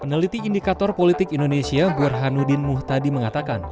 peneliti indikator politik indonesia burhanuddin muhtadi mengatakan